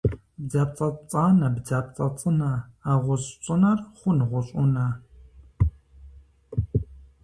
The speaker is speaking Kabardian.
Бдзапцӏэ пцӏанэ бдзапцӏэ цӏынэ, а гъущӏ цӏынэр хъун гъущӏ ӏунэ?